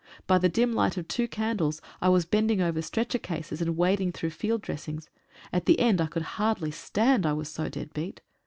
By the dim light of two candles I was bending over stretcher cases and wading through field dressings. At the end I could hardly stand, I was so dead beat.